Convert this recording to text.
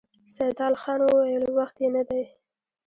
سيدال خان وويل: وخت يې نه دی؟